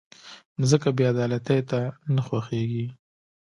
مځکه بېعدالتۍ ته نه خوښېږي.